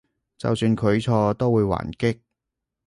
就算佢錯都會還擊？